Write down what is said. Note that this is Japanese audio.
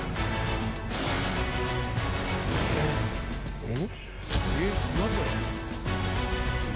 えっ？